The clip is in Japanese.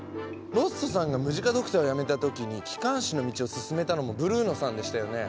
ロッソさんがムジカドクターをやめた時に機関士の道をすすめたのもブルーノさんでしたよね。